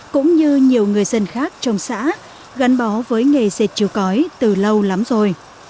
cũng như nhiều người dân khác trong xã gắn bó với nghề dệt chiếu cói từ lâu lắm rồi